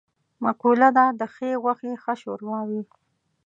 مقوله ده: د ښې غوښې ښه شوروا وي.